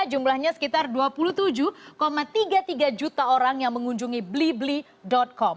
jumlahnya sekitar dua puluh tujuh tiga puluh tiga juta orang yang mengunjungi blibli com